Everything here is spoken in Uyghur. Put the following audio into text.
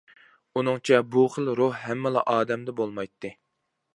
ئۇنىڭچە، بۇ خىل روھ ھەممىلا ئادەمدە بولمايتتى.